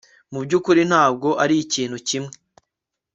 Mu byukuri ntabwo arikintu kimwe